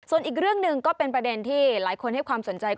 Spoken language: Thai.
ส่วนอีกเรื่องหนึ่งก็เป็นประเด็นที่หลายคนให้ความสนใจ